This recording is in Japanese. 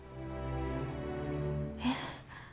えっ？